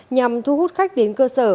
nhằm thu hút khách đến cơ sở